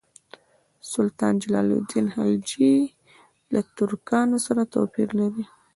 سلطان جلال الدین خلجي له ترکانو سره توپیر درلود.